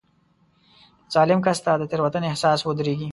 ظالم کس ته د تېروتنې احساس ودرېږي.